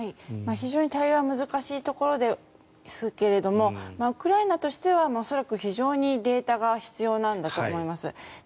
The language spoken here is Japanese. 非常に対応は難しいところですけどもウクライナとしては恐らく非常にデータが必要なんだと思います。